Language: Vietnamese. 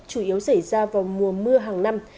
chủ yếu xảy ra vào mùa mưa hàng năm